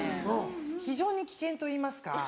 非常に危険といいますか。